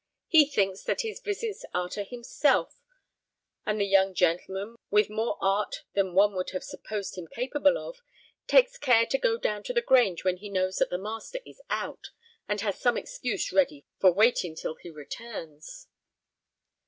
He thinks that his visits are to himself; and the young gentleman, with more art than one would have supposed him capable of, takes care to go down to the Grange when he knows that the master is out, and has some excuse ready for waiting till he returns."